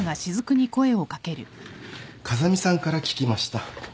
風見さんから聞きました。